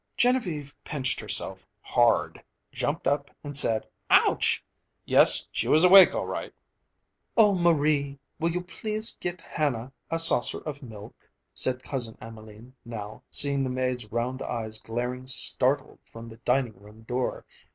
Genevieve pinched herself hard, jumped and said "ouch." Yes, she was awake, all right! "Oh, Marie, will you please get Hanna a saucer of milk?" said Cousin Emelene now, seeing the maid's round eyes glaring startled from the dining room door.